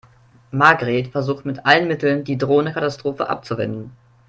Margret versucht mit allen Mitteln, die drohende Katastrophe abzuwenden.